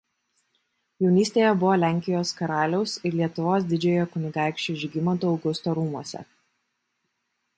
Jaunystėje buvo Lenkijos karaliaus ir Lietuvos didžiojo kunigaikščio Žygimanto Augusto rūmuose.